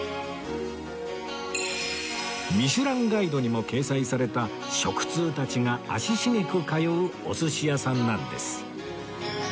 『ミシュランガイド』にも掲載された食通たちが足しげく通うお寿司屋さんなんです